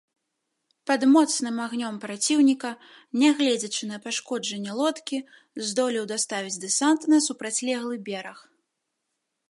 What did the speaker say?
Пад моцным агнём праціўніка, нягледзячы на пашкоджанне лодкі, здолеў даставіць дэсант на супрацьлеглы бераг.